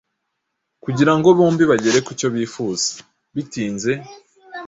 kugira ngo bombi bagere ku cyo bifuza. Bitinze,